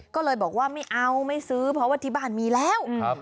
ก็เลยบอกว่าไม่เอาไม่ซื้อเพราะว่าที่บ้านมีแล้ว